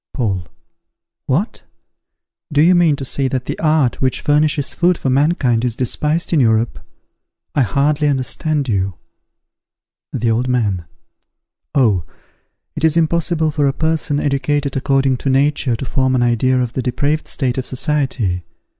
Paul. What! do you mean to say that the art which furnishes food for mankind is despised in Europe? I hardly understand you. The Old Man. Oh! it is impossible for a person educated according to nature to form an idea of the depraved state of society.